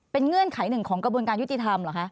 เป็นเงื่อนไขหนึ่งของกระบวนการยุติธรรมเหรอคะ